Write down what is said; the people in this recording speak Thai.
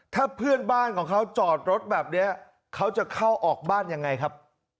ถ้าเพื่อนบ้านของเขาจอดรถแบบนี้เขาจะเข้าออกบ้านยังไงครับ